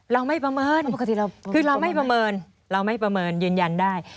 เราไม่ประเมินคือเราไม่ประเมินยืนยันได้